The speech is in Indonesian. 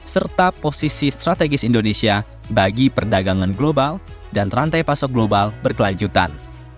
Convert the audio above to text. serta posisi strategis indonesia bagi perdagangan global dan rantai pasok global berkelanjutan